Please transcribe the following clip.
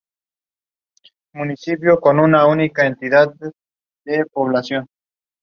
En Europa en Dinamarca, Finlandia, Alemania, Noruega, Suecia, Austria, República Checa, Hungría, Polonia, Rusia.